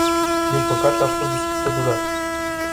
Din păcate, a fost de scurtă durată.